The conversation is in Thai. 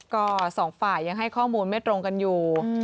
ก็สองฝ่ายยังให้ข้อมูลไม่ตรงกันอยู่